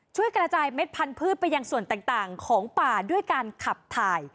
ช่วยกระจายเม็ดพันธุ์ไปยังส่วนต่างของป่าด้วยการขับถ่าย